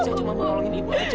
saya cuma mau nolongin ibu aja